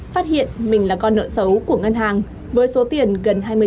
phát hiện mình là con nợ xấu của ngân hàng với số tiền gần hai mươi tỷ đồng